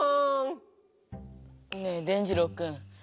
ねぇ伝じろうくん。